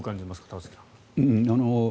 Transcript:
田崎さん。